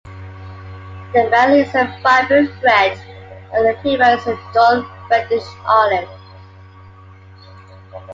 The male is a vibrant red, while the female is a dull reddish olive.